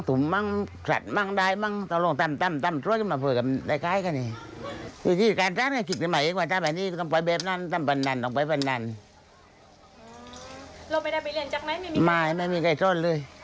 ตอนนั้นตีปาร์ฟครบแล้วก็หยุด